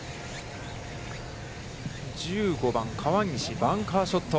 １５番、川西、バンカーショット。